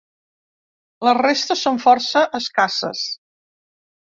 Les restes són força escasses.